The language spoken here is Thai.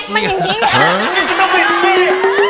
นี่ตะกี้ตะกี้